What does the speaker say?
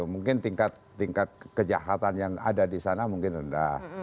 mungkin tingkat kejahatan yang ada di sana mungkin rendah